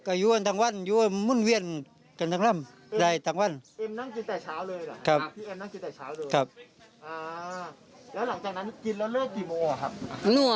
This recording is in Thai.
ครับอยู่กันทั้งวันอยู่มุ่นเวียนกันทั้งลำใดทั้งวัน